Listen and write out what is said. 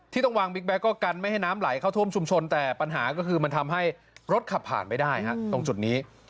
ต้องวางบิ๊กแก๊กก็กันไม่ให้น้ำไหลเข้าท่วมชุมชนแต่ปัญหาก็คือมันทำให้รถขับผ่านไม่ได้ฮะตรงจุดนี้